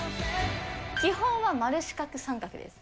基本は丸、四角、三角です。